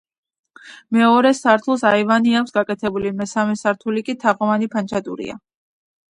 მეორე სართულს აივანი აქვს გაკეთებული, მესამე სართული კი თაღოვანი ფანჩატურია.